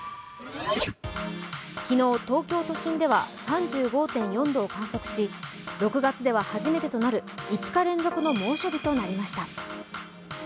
昨日、東京都心では３５．４度を観測し６月では初めてとなる５日連続の猛暑日となりました。